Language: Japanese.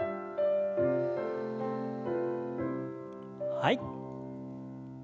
はい。